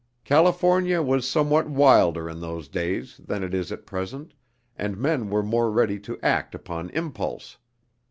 California was somewhat wilder in those days than it is at present, and men were more ready to act upon impulse.